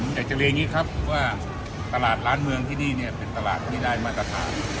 อยากจะเรียนอย่างนี้ครับว่าตลาดร้านเมืองที่นี่เนี่ยเป็นตลาดที่ได้มาตรฐาน